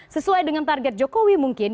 sesuai dengan target jokowi mungkin